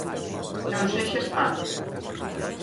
Non sexas parvo.